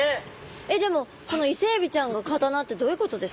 えっでもこのイセエビちゃんが刀ってどういうことですか？